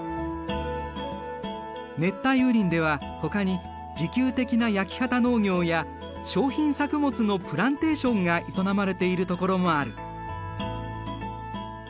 熱帯雨林ではほかに自給的な焼き畑農業や商品作物のプランテーションが営まれているところもある。